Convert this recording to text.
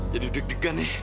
jadi deg degan nih